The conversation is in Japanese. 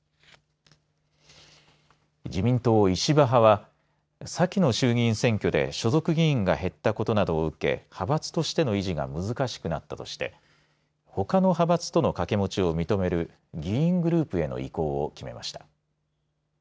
自民党、石破派は先の衆議院選挙で所属議員が減ったことなどを受け派閥としての維持が難しくなったとしてほかの派閥との掛け持ちを認める議員グループへの移行を決めました。